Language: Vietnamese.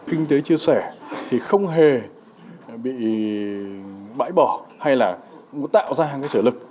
kinh tế chia sẻ không hề bị bãi bỏ hay tạo ra sở lực